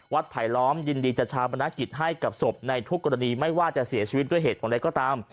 ไผลล้อมยินดีจะชาวบรรณกิจให้กับศพในทุกกรณีไม่ว่าจะเสียชีวิตด้วยเหตุผลใดก็ตาม